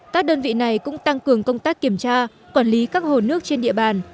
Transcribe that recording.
các đơn vị này cũng tăng cường công tác kiểm tra quản lý các hồ nước trên địa bàn